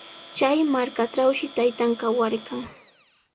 Chay markatrawshi taytan kawarqan.